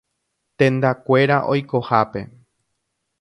Tendakuéra oikohápe.